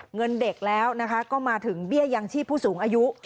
เงินเด็กแล้วนะคะก็มาถึงเบี้ยยังชีพผู้สูงอายุ